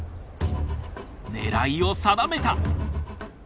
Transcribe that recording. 狙いを定めた！